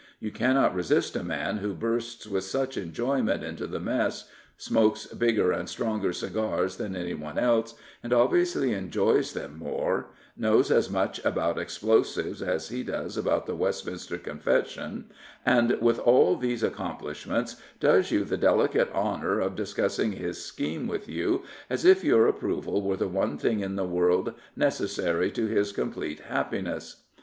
You cannot resist a man who bursts with such enjoyment into the mess, smokes bigger and stronger cigars than anyone else, and obviously enjoys them more, knows as much about explosives as he does about the Westminster Confession, and with all these accomplishments does you the delicate honour of dis cussing his scheme with you as if your approval were the one thing in the world necessary to his complete happiness.